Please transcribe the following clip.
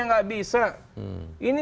tidak bisa ini